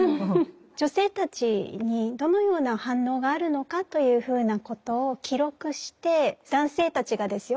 女性たちにどのような反応があるのかというふうなことを記録して男性たちがですよ